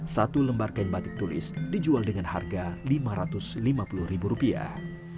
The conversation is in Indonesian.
satu lembar kain batik tulis dijual dengan harga lima ratus lima puluh ribu rupiah